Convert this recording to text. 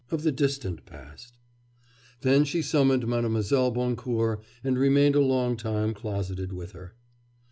of the distant past. Then she summoned Mlle. Boncourt and remained a long while closeted with her.